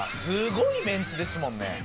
すごいメンツですもんね。